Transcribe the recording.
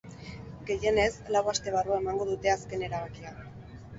Gehienez, lau aste barru emango dute azken erabakia.